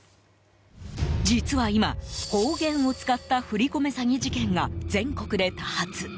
実は今、方言を使った振り込め詐欺事件が全国で多発。